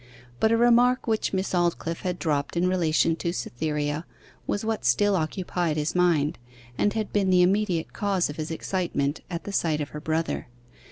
But a remark which Miss Aldclyffe had dropped in relation to Cytherea was what still occupied his mind, and had been the immediate cause of his excitement at the sight of her brother.